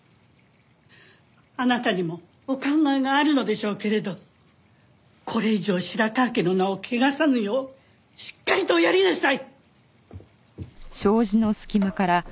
あなたにもお考えがあるのでしょうけれどこれ以上白河家の名を汚さぬようしっかりとおやりなさい！